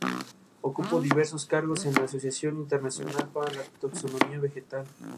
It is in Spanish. Rafael formalmente se compromete con Lupe y una gran fiesta es realizada por Ambrosio.